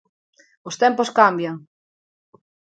Os tempos cambian.